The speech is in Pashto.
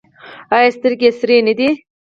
ایا سترګې یې سرې نه دي؟